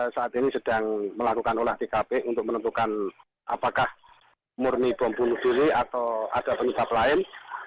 saat ini sedang melakukan olah tkp untuk menentukan apakah murni bom bunuh diri atau ada penyebab lain